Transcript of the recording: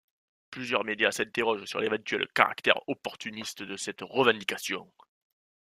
Plusieurs médias s'interrogent sur l'éventuel caractère opportuniste de cette revendication.